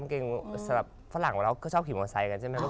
เป็นเกงสำหรับฝรั่งเราเขาชอบขี่มองไซส์กันใช่ไหมครับ